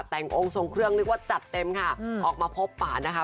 แต่งองค์ทรงเครื่องเรียกว่าจัดเต็มค่ะออกมาพบป่านะคะ